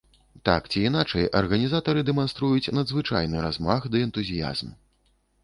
Так ці іначай, арганізатары дэманструюць надзвычайны размах ды энтузіязм.